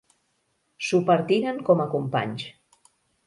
S'ho partiren com a companys.